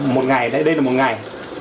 một ngày đây là một ngày